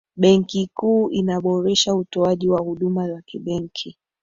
benki kuu inaboresha utoaji wa huduma za kibenki